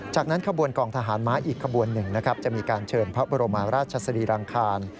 จากนั้นขบวนกองทหารม้าอีกขบวนหนึ่งนะครับจะมีการเชิญพระบรมราชสรีรังคาร